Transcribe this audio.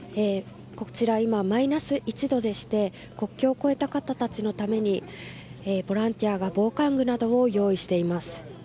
こちら今マイナス１度でして国境を越えた方たちのためにボランティアが防寒具などを用意しています。